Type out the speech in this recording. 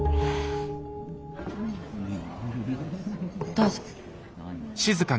どうぞ。